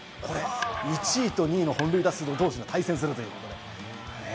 １位と２位の本塁打数同士が対戦するというね。